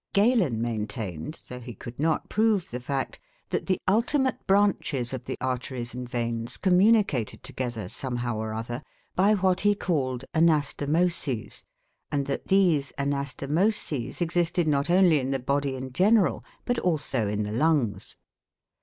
Galen maintained, though he could not prove the fact, that the ultimate branches of the arteries and veins communicated together somehow or other, by what he called 'anastomoses', and that these 'anastomoses' existed not only in the body in general but also in the lungs.